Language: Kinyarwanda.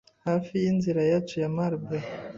Hafi yinzira yacu ya marble